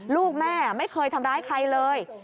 ลูกแม่ไม่เคยทำร้ายใครเลย